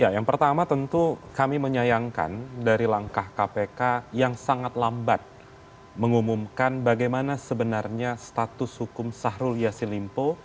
yang pertama tentu kami menyayangkan dari langkah kpk yang sangat lambat mengumumkan bagaimana sebenarnya status hukum sahrul yassin limpo